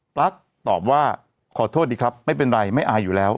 ปลั๊กตอบว่าขอโทษดีครับไม่เป็นไรไม่อายอยู่แล้ว